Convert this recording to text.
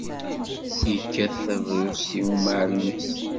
Yekkat tabṛust i umɛellem-is.